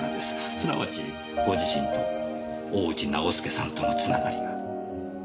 すなわちご自身と大内直輔さんとの繋がりが。